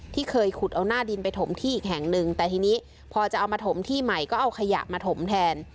ที่เคยขุดเอาหน้าดินไปถมที่อีกแห่งหนึ่งแต่ทีนี้พอจะเอามาถมที่ใหม่ก็เอาขยะมาถมแทน